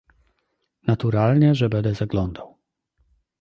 "Naturalnie, że będę zaglądał..."